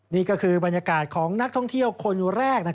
นี่ก็คือบรรยากาศของนักท่องเที่ยวคนแรก